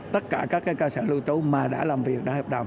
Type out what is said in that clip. tất cả các cái cơ sở lưu trú mà đã làm việc đã hợp đồng